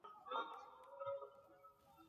希尔施斯泰因是德国萨克森州的一个市镇。